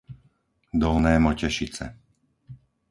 Dolné Motešice